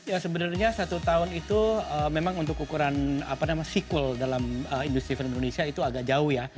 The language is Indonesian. ya sebenarnya satu tahun itu memang untuk ukuran sequel dalam industri film indonesia itu agak jauh ya